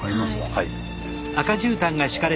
はい。